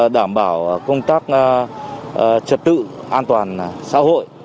đảm bảo công tác trật tự an toàn xã hội